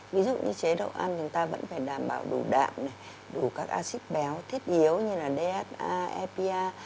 ví dụ như chế độ ăn chúng ta vẫn phải đảm bảo đủ đạm đủ các acid béo thiết yếu như là dha epa